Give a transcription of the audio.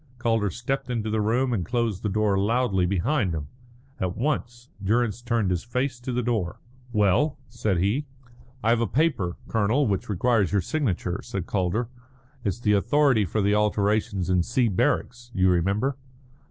Calder stepped into the room and closed the door loudly behind him. At once Durrance turned his face to the door. "Well?" said he. "I have a paper, Colonel, which requires your signature," said Calder. "It's the authority for the alterations in C barracks. You remember?"